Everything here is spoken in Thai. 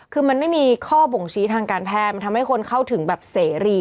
คือมันไม่มีข้อบ่งชี้ทางการแพทย์มันทำให้คนเข้าถึงแบบเสรี